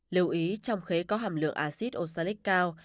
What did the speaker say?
lưu ý trong khế có hàm lượng acid osalic cao